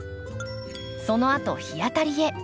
そのあと日当たりへ。